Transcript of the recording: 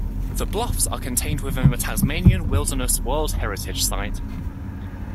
The bluffs are contained within the Tasmanian Wilderness World Heritage Site.